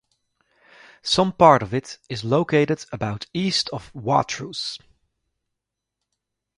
Some part of it is located about east of Watrous.